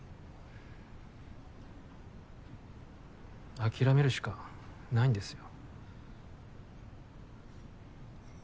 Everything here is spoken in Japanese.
諦めるしかないんですよ。